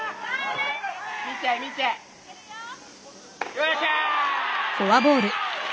・よっしゃ！